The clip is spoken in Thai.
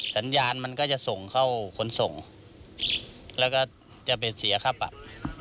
สัญญาณมันก็จะส่งเข้าขนส่งแล้วก็จะไปเสียค่าปรับ